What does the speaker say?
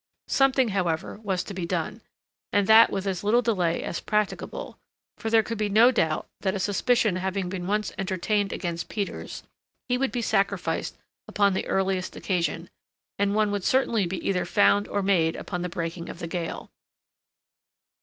Something, however, was to be done, and that with as little delay as practicable, for there could be no doubt that a suspicion having been once entertained against Peters, he would be sacrificed upon the earliest occasion, and one would certainly be either found or made upon the breaking of the gale.